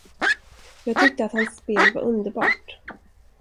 Jag tyckte att hans spel var underbart.